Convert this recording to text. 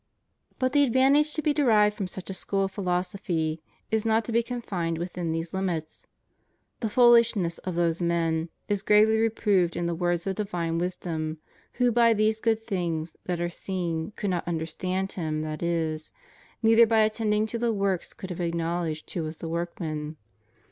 But the advantage to be derived from such a school of philosophy is not to be confined within these limits. The foolishness of those men is gravely reproved in the words of divine wisdom who by these good things that are seen could not understand Him that is, neither by attending to the works could have acknowledged who was the workman.